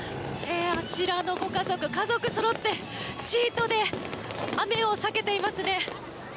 あちらのご家族、家族そろってシートで雨を避けていますね。